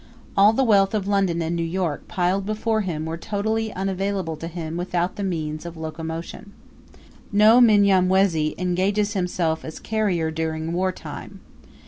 All the wealth of London and New York piled before him were totally unavailable to him without the means of locomotion. No Mnyamwezi engages himself as carrier during war time.